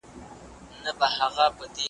اقتصادي پرمختيا د يوې ټولني لپاره حياتي ده.